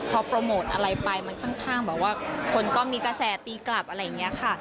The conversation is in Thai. พอโปรโมทอะไรไปมันค่อนข้างแบบว่าคนก็มีกระแสตีกลับอะไรอย่างนี้ค่ะ